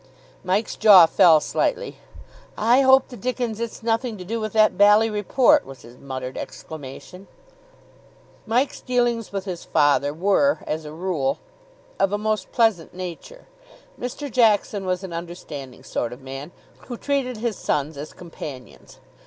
Mike's jaw fell slightly. "I hope the dickens it's nothing to do with that bally report," was his muttered exclamation. Mike's dealings with his father were as a rule of a most pleasant nature. Mr. Jackson was an understanding sort of man, who treated his sons as companions.